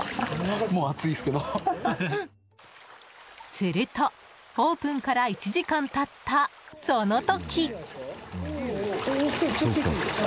するとオープンから１時間経ったその時。